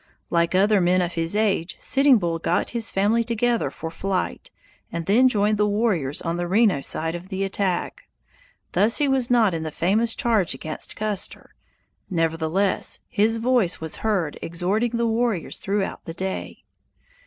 Like other men of his age, Sitting Bull got his family together for flight, and then joined the warriors on the Reno side of the attack. Thus he was not in the famous charge against Custer; nevertheless, his voice was heard exhorting the warriors throughout that day.